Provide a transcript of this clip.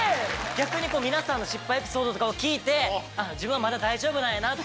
逆に皆さんの失敗エピソードとかを聞いて自分はまだ大丈夫なんやなって。